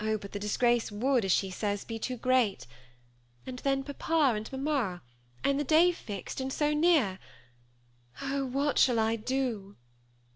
but the disgrace would, as she says, be too great ; and then papa and mamma, and the day fixed, and so near. Oh ! what shall I do